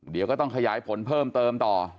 เดี๋ยวก็ต้องขยายผลเพิ่มเติมต่อ